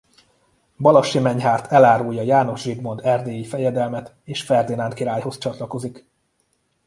Balassi Menyhárt elárulja János Zsigmond erdélyi fejedelmet és Ferdinánd királyhoz csatlakozik.